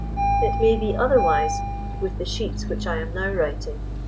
It may be otherwise with the sheets which I am now writing.